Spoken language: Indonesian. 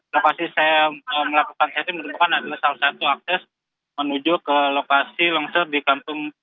lokasi saya melakukan setting merupakan adalah salah satu akses menuju ke lokasi longsor di kampung